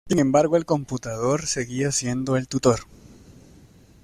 Sin embargo, el computador seguía siendo el tutor.